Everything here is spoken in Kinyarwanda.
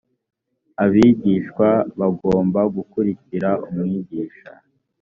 abigishwa bagomba gukurikira umwigisha.